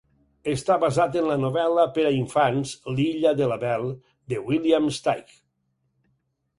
Està basat en la novel·la per a infants "L'Illa de l'Abel", de William Steig.